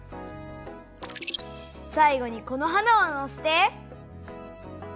さいごにこの花をのせて。